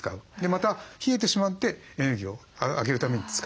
また冷えてしまってエネルギーを上げるために使う。